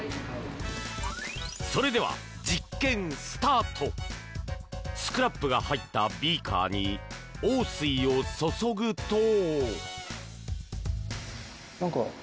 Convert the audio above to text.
それでは、実験スタート！スクラップが入ったビーカーに王水を注ぐと。